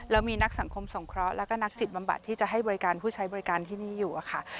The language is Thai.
แล้วมีนักสังคมสงเคราะห์แล้วก็นักจิตบำบัดที่จะให้บริการผู้ใช้บริการที่นี่อยู่อะค่ะ